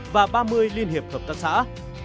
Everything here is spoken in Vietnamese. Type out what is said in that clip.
và ba mươi liên hiệp hợp tác xã